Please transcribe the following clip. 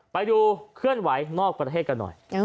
ไปดูเคลื่อนไหวนอกประเทศกันหน่อย